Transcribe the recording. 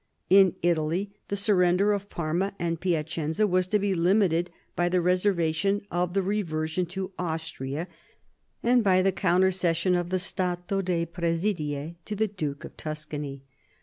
In Italy the surrender of Parma and Piacenza was to be limited by the reservation of the reversion to Austria and by the countercession of the Stato dei Presidie to the Duke of Tuscany.